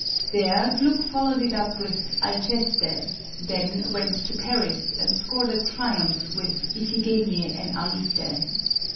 There Gluck followed it up with "Alceste," then went to Paris, and scored a triumph with "Iphigenie en Aulite."